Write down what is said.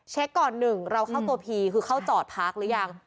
ก่อนหนึ่งเราเข้าตัวพีคือเข้าจอดพักหรือยัง